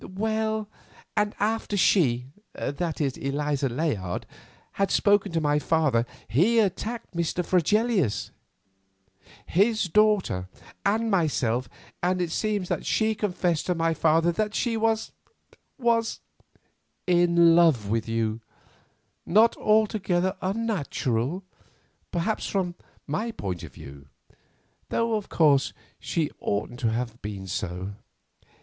"Well, and after she—that is, Eliza Layard—had spoken to my father, he attacked Mr. Fregelius, his daughter, and myself, and it seems that she confessed to my father that she was—was——" "In love with you—not altogether unnatural, perhaps, from my point of view; though, of course, she oughtn't to have been so."